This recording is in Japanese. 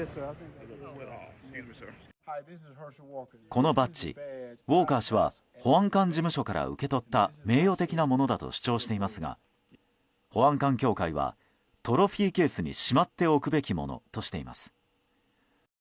このバッジ、ウォーカー氏は保安官事務所から受け取った名誉的なものだと主張していますが保安官協会はトロフィーケースにしまっておくべきものとしています。